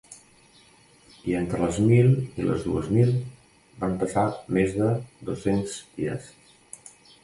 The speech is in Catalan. I entre les mil i les dues mil, van passar més de dos-cents dies.